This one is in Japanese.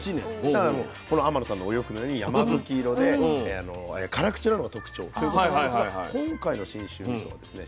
だからこの天野さんのお洋服のようにやまぶき色で辛口なのが特徴ということなんですが今回の信州みそはですね